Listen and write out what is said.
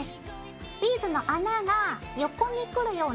ビーズの穴が横にくるように。